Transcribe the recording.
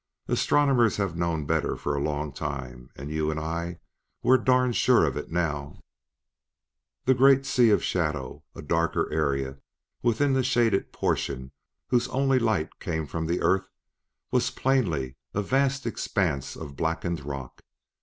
Astronomers have known better for a long time; and you and I we're darned sure of it now." The great sea of shadow, a darker area within the shaded portion whose only light came from the Earth, was plainly a vast expanse of blackened rock.